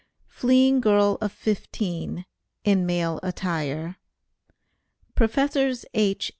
"FLEEING GIRL OF FIFTEEN," IN MALE ATTIRE. PROFESSORS H.